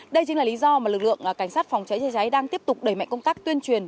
đây chính là lý do mà lực lượng cảnh sát phòng cháy chữa cháy đang tiếp tục đẩy mạnh công tác tuyên truyền